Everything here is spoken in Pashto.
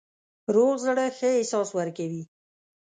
روغ زړه ښه احساس ورکوي.